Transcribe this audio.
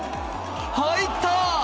入った！